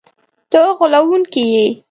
ته غولونکی یې!”